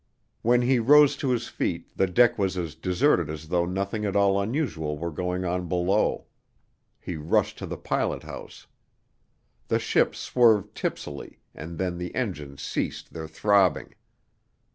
When he rose to his feet the deck was as deserted as though nothing at all unusual were going on below. He rushed to the pilot house. The ship swerved tipsily and then the engines ceased their throbbing.